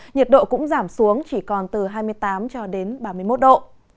nhiệt độ cũng giảm xuống chỉ còn từ hai mươi tám cho đến ba mươi một độ